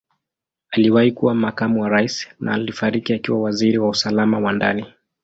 Aliwahi kuwa Makamu wa Rais na alifariki akiwa Waziri wa Usalama wa Ndani.